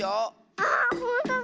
あっほんとだ。